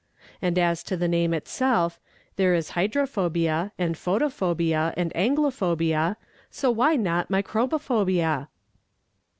And as to the name itself, there is hydrophobia, and photophobia, and Anglophobia so why not microbophobia?